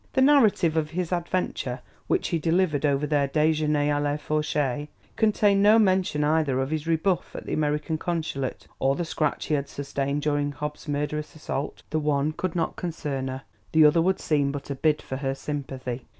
The narrative of his adventure which he delivered over their déjeuner à la fourchette contained no mention either of his rebuff at the American Consulate or the scratch he had sustained during Hobbs' murderous assault; the one could not concern her, the other would seem but a bid for her sympathy.